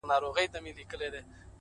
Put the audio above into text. ما څوځلي د لاس په زور کي يار مات کړی دی؛